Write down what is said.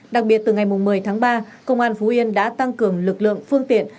đặc biệt từ ngày một mươi tháng ba công an phú yên đã tăng cường lực lượng phương tiện